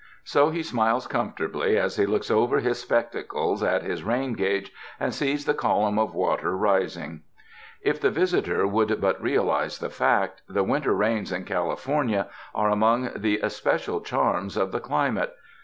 So he smiles comfortably as he looks over his spectacles at his rain gauge and sees the column of water rising. If the visitor would but realize the fact, the win ter rains in California are among the especial charms of the climate.